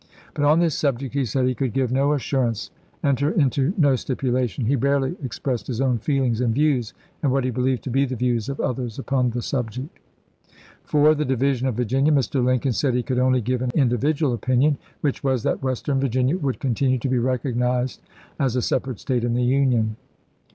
But on this subject, he said, he could give no assur ance— enter into no stipulation. He barely ex st»v?a?8' pressed his own feelings and views, and what he theestaS" believed to be the views of others upon the subject." p 617." IV. The Division of Virginia. — "Mr. Lincoln said he could only give an individual opinion, which was, that Western Virginia would continue to be recognized as a separate State in the Union."